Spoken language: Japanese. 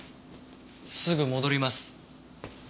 すぐ戻ります。